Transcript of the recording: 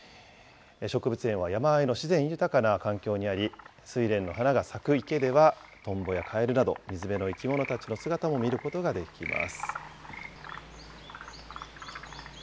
植物園は山あいの自然豊かな環境にあり、スイレンの花が咲く池ではトンボやカエルなど、水辺の生き物たちの姿も見ることができます。